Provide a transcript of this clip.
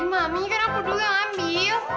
mami kan aku duluan yang ambil